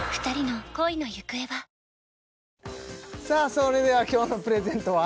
それでは今日のプレゼントは？